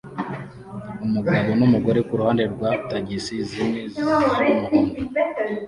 Umugabo numugore kuruhande rwa tagisi zimwe z'umuhondo